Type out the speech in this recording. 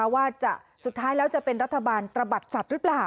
ว่าสุดท้ายแล้วจะเป็นรัฐบาลตระบัดสัตว์หรือเปล่า